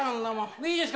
いいですか？